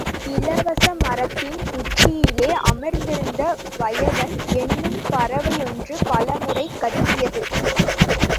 இலவ மரத்தின் உச்சியிலே அமர்ந்திருந்த வயவன் என்னும் பறவையொன்று பலமுறை கத்தியது.